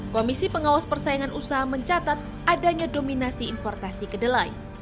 komisi pengawas persaingan usaha mencatat adanya dominasi importasi kedelai